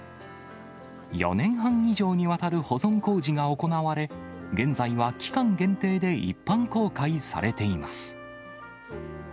４年半以上にわたる保存工事が行われ、現在は期間限定で一般公開されています。